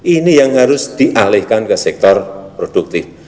ini yang harus dialihkan ke sektor produktif